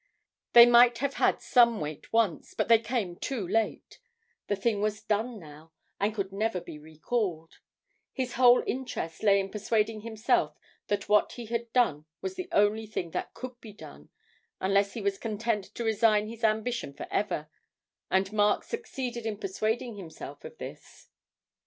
They might have had some weight once, but they came too late; the thing was done now and could never be recalled; his whole interest lay in persuading himself that what he had done was the only thing that could be done, unless he was content to resign his ambition for ever, and Mark succeeded in persuading himself of this.